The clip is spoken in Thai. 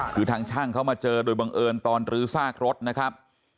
คือทางช่างเขามาเจอโดยบังเอิญตอนรื้อซากรถนะครับ